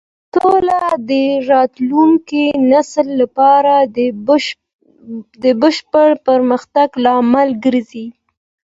سوله د راتلونکي نسل لپاره د بشپړ پرمختګ لامل ګرځي.